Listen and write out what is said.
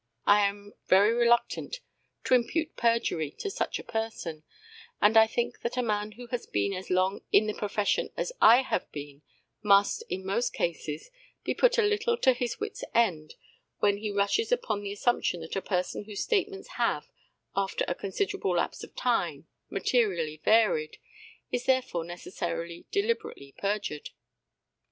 I am very reluctant to impute perjury to such a person; and I think that a man who has been as long in the profession as I have been must, in most cases, be put a little to his wits' end when he rushes upon the assumption that a person whose statements have, after a considerable lapse of time, materially varied, is therefore necessarily, deliberately perjured.